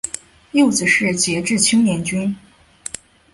幼子是杰志青年军。